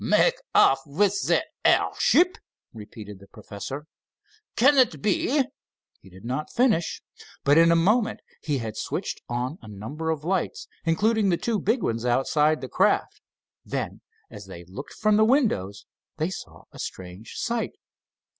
"Make off with the airship!" repeated the professor. "Can it be——" He did not finish, but in a moment he had switched on a number of lights, including the two big ones outside the craft. Then, as they looked from the windows, they saw a strange sight.